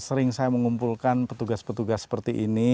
sering saya mengumpulkan petugas petugas seperti ini